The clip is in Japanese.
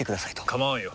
構わんよ。